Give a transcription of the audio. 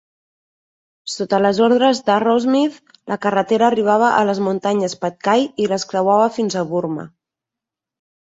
Sota les ordres d'Arrowsmith, la carretera arribava a les muntanyes Patkai i les creuava fins a Burma.